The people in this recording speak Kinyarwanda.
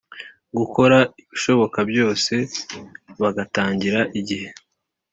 Gukora ibishoboka byose bagatangira igihe